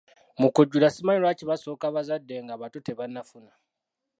Mu kujjula simanyi lwaki basooka kuwa bazadde ng'abato tebannafuna.